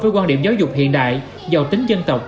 với quan điểm giáo dục hiện đại giàu tính dân tộc